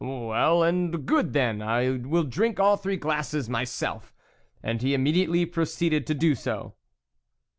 " Well and good then ! I will drink all three glasses myself," and he immediately proceeded to do so.